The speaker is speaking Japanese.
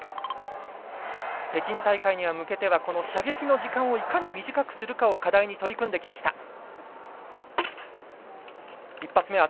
北京大会に向けてはこの射撃の時間をいかに短くするかを課題に取り組んでいきました。